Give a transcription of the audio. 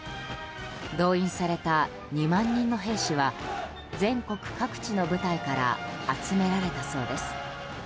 動員された２万人の兵士は全国各地の部隊から集められたそうです。